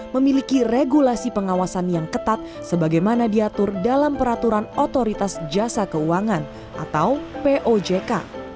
memiliki regulasi pengawasan yang ketat sebagaimana diatur dalam peraturan otoritas jasa keuangan atau pojk